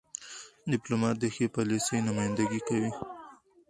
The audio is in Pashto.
. ډيپلومات د ښې پالیسۍ نمایندګي کوي.